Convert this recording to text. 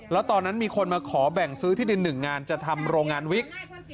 แล้วตอนนั้นมีคนมาขอแบ่งซื้อที่ดิน๑งานจะทำโรงงานวิก